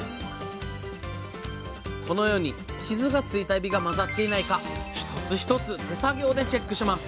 このように傷がついたエビが混ざっていないか一つ一つ手作業でチェックします